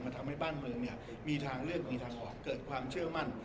มันทำให้บ้านเมืองมีทางเลือกมีทางออกเกิดความเชื่อมั่น